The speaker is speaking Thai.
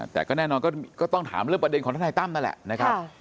แต่ก็แน่นอนก็ต้องถามเรื่องประเด็นของทนายตั้มนั่นแหละนะครับ